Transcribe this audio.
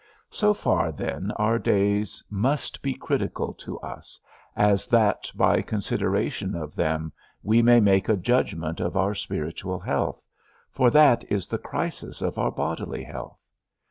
So far then our days must be critical to us, as that by consideration of them, we may make a judgment of our spiritual health, for that is the crisis of our bodily health.